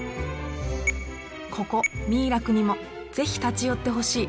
ここ三井楽にも是非立ち寄ってほしい